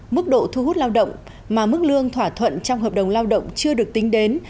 mức độ thu hút lao động mà mức lương thỏa thuận trong hợp đồng lao động chưa được tính đến